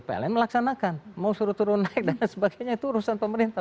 pln melaksanakan mau suruh turun naik dan lain sebagainya itu urusan pemerintah